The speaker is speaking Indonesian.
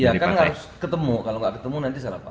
iya kan gak harus ketemu kalau gak ketemu nanti salah paham